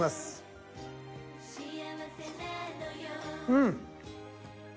うん。